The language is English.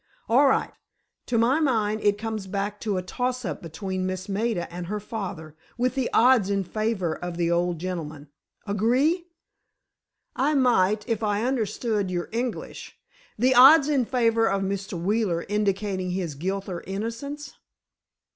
"All right. To my mind, it comes back to a toss up between Miss Maida and her father, with the odds in favor of the old gentleman. Agree?" "I might, if I understood your English. The odds in favor of Mr. Wheeler indicating his guilt or innocence?"